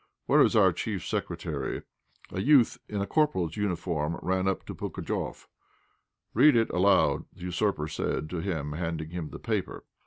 Where is our Chief Secretary?" A youth in a corporal's uniform ran up to Pugatchéf. "Read it aloud," the usurper said to him, handing him the paper.